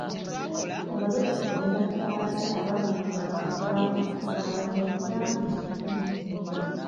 Nga Lodipo ne bakyala be ababiri baakavaawo, abanyazi baalumba ekitundu.